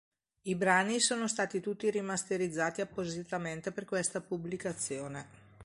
I brani sono stati tutti rimasterizzati appositamente per questa pubblicazione.